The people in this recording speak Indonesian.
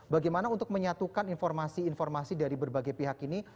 bagaimana untuk menyatukan informasi informasi dari berbagai pihak ini